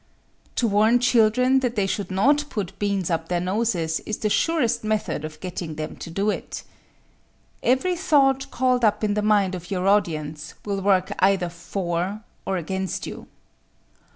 To warn children that they should not put beans up their noses is the surest method of getting them to do it. Every thought called up in the mind of your audience will work either for or against you.